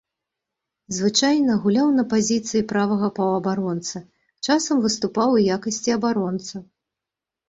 Звычайна гуляў на пазіцыі правага паўабаронцы, часам выступаў у якасці абаронцы.